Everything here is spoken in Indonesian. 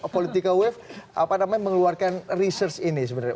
political wave mengeluarkan research ini sebenarnya